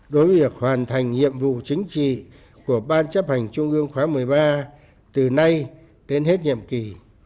đối với việc hoàn thành nhiệm vụ chính trị của ban chấp hành trung ương khóa một mươi ba từ nay đến hết nhiệm kỳ